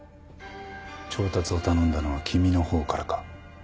調達を頼んだのは君の方からか？